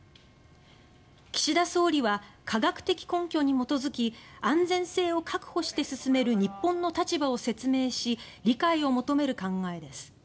岸田総理は科学的根拠に基づき安全性を確保して進める日本の立場を説明し理解を求める考えです。